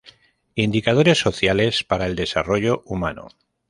Indicadores sociales para el desarrollo humano.